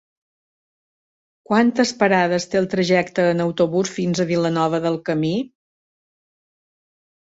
Quantes parades té el trajecte en autobús fins a Vilanova del Camí?